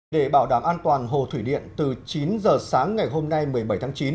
để bảo đảm an toàn hồ thủy điện từ chín giờ sáng ngày hôm nay một mươi bảy tháng chín